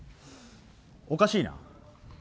おかしいな。